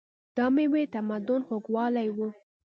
دا مېوې د تمدن خوږوالی و.